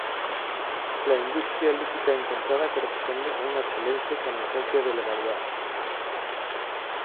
La industria lítica encontrada corresponde a un Achelense con ausencia de Levallois.